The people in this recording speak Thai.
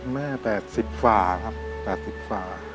แม่แต่๑๐ฝ่าครับ๘๐ฝ่า